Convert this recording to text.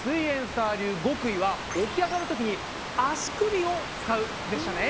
サー流極意は起き上がるときに足首を使うでしたね！